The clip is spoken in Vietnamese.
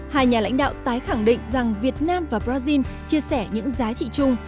hai nhà lãnh đạo tái khẳng định rằng việt nam và brazil chia sẻ những giá trị chung